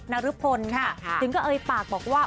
นภลถึงก็เอลิปากบอกว่า